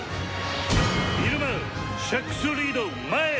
イルマシャックス・リード前へ！」。